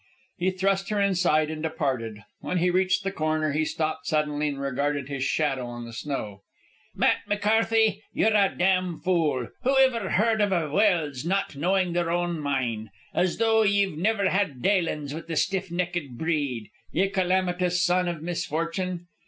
He thrust her inside and departed. When he reached the corner he stopped suddenly and regarded his shadow on the snow. "Matt McCarthy, yer a damned fool! Who iver heard iv a Welse not knowin' their own mind? As though ye'd niver had dalin's with the stiff necked breed, ye calamitous son iv misfortune!"